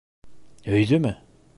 Өйҙөмө?